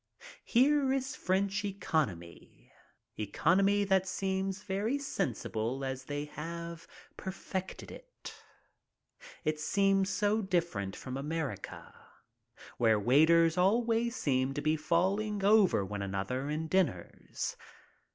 Here is French economy — economy that seems very sensible as they have perfected it. It seems so different from America, where waiters always seem to be falling over one another in diners.